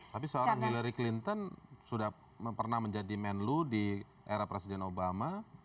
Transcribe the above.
tapi seorang hillary clinton sudah pernah menjadi menlu di era presiden obama